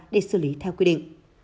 để xử lý theo quy định